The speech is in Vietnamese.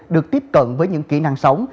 được tiếp cận với những kỹ năng sống